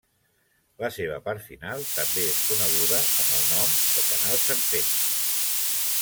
La seva part final també és coneguda amb el nom de Canal Serpent.